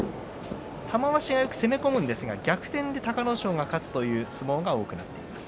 玉鷲はよく攻め込むんですが逆転で隆の勝が勝つ相撲が多くなっています。